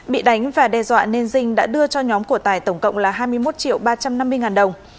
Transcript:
bị đánh và đe dọa nên dinh đã đưa cho nhóm của tài tổng cộng là hai mươi một triệu ba trăm năm mươi ngàn đồng